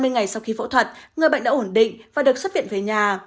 hai mươi ngày sau khi phẫu thuật người bệnh đã ổn định và được xuất viện về nhà